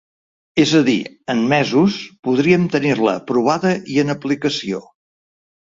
És a dir, en mesos, podríem tenir-la aprovada i en aplicació.